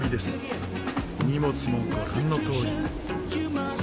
荷物もご覧のとおり。